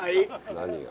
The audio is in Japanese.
何が。